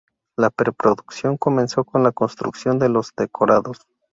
La pre-producción comenzó con la construcción de los decorados.